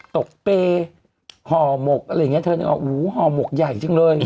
ตกเปย์ห่อหมกอะไรอย่างนี้เธอนึกออกหูห่อหมกใหญ่จังเลย